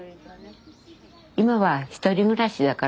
今は１人暮らしだからね